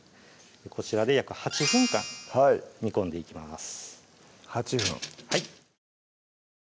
こちらで約８分間煮込んでいきます